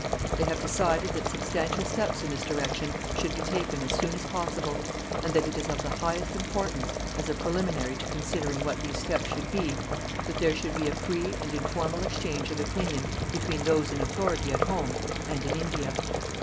They have decided that substantial steps in this direction should be taken as soon as possible, and that it is of the highest importance, as a preliminary to considering what these steps should be, that there should be a free and informal exchange of opinion between those in authority at home and in India.